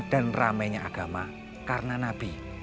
dan ramainya agama karena nabi